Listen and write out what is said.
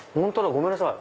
ごめんなさい。